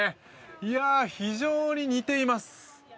いやあ、非常に似ています。